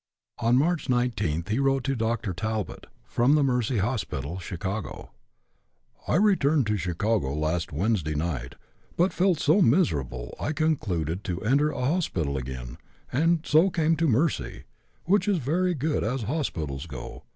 On March 19th he wrote to Dr. Talbot from the Mercy Hospital, Chicago: "I returned to Chicago last Wednesday night, but felt so miserable I concluded to enter a hospital again, and so came to Mercy, which is very good as hospitals go.